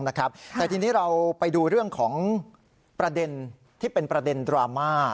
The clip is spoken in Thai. แต่ทีนี้เราไปดูเรื่องของประเด็นที่เป็นประเด็นดราม่า